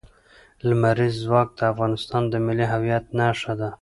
لمریز ځواک د افغانستان د ملي هویت نښه ده.